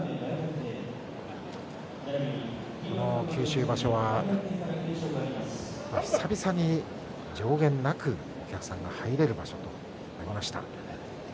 この九州場所は久々に上限なくお客さんが入れる場所ということになりました。